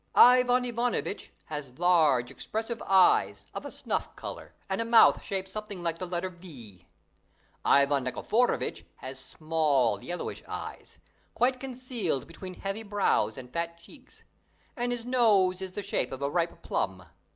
Ivan Ivanovitch has large, expressive eyes, of a snuff colour, and a mouth shaped something like the letter V; Ivan Nikiforovitch has small, yellowish eyes, quite concealed between heavy brows and fat cheeks; and his nose is the shape of a ripe plum.